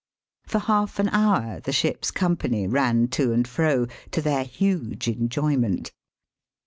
For half an hour the ship's company ran to and fro, to their huge enjoyment.